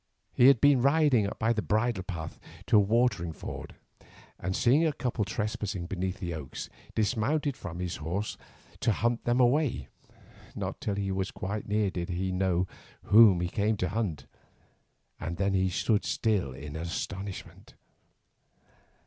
He had been riding by a bridle path to the watering ford, and seeing a couple trespassing beneath the oaks, dismounted from his horse to hunt them away. Not till he was quite near did he know whom he came to hunt, and then he stood still in astonishment.